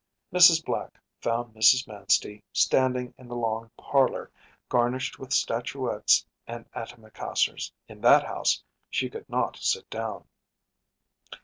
‚ÄĚ Mrs. Black found Mrs. Manstey standing in the long parlor garnished with statuettes and antimacassars; in that house she could not sit down.